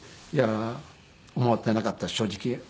いやー思ってなかった正直。